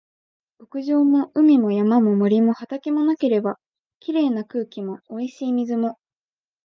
牧場も海も山も森も畑もなければ、綺麗な空気も美味しい水も